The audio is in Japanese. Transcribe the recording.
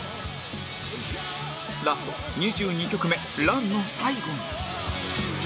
ラスト２２曲目『ＲＵＮ』の最後に